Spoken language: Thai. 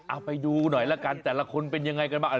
เอาไปดูหน่อยละกันแต่ละคนเป็นยังไงกันบ้าง